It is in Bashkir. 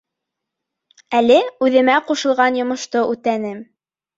Әле үҙемә ҡушылған йомошто үтәнем.